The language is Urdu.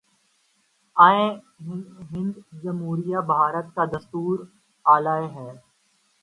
آئین ہند جمہوریہ بھارت کا دستور اعلیٰ ہے